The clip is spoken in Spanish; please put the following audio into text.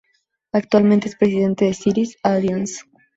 Actualmente es presidente de Cities Alliance.